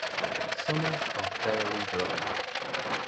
Summers are fairly dry.